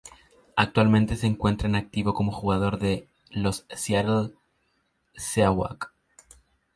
Actualmente se encuentra en activo como jugador de los Seattle Seahawks.